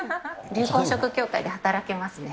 流行色協会で働けますね。